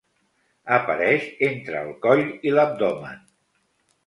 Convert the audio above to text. Apareix entre el coll i l'abdomen.